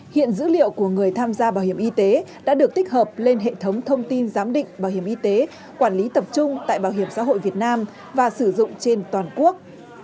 hiện dữ liệu của người tham gia bảo hiểm y tế đã được tích hợp lên hệ thống thông tin giám định bảo hiểm y tế quản lý tập trung tại bảo hiểm xã hội việt nam và sử dụng trên toàn quốc